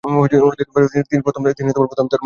তিনি প্রথম স্থান অধিকার করে ছিলেন।